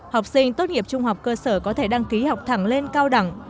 học sinh tốt nghiệp trung học cơ sở có thể đăng ký học thẳng lên cao đẳng